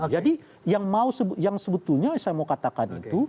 jadi yang sebetulnya saya mau katakan itu